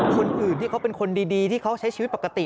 คนอื่นที่เขาเป็นคนดีที่เขาใช้ชีวิตปกติ